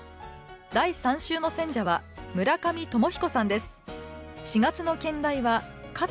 第３週の選者は村上鞆彦さんです。